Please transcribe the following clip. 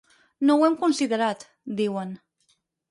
No ho hem considerat, diuen.